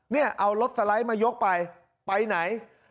เนี่ยเอารถสไลด์มายกไปไปไหน